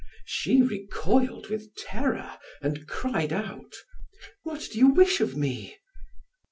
She recoiled with terror and cried out: "What do you wish of me?"